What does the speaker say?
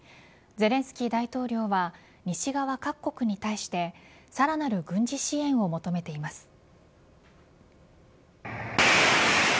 ゼレンスキー大統領は西側各国に対してさらなる軍事支援を求めています。